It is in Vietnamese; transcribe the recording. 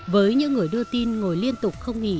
với những người đưa tin ngồi liên tục không nghỉ